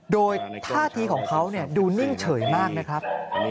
โดยท่าทีของเขาดูนิ่งเฉยมากนะครับ